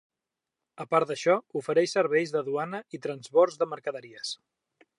A part d'això, ofereix serveis de duana i transbords de mercaderies.